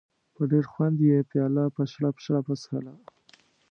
په ډېر خوند یې پیاله په شړپ شړپ وڅښله.